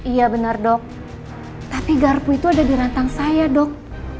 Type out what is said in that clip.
iya benar dok tapi garpu itu ada di rantang saya dok